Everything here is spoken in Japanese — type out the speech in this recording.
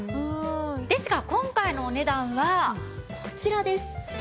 ですが今回のお値段はこちらです。